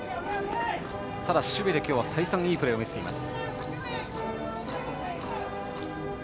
ただ守備で再三いいプレーを見せています。